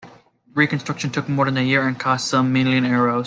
Reconstruction took more than a year and cost some million euros.